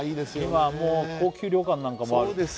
今は高級旅館なんかもある